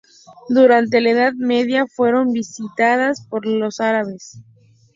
Durante la Edad Media fueron visitadas por los árabes.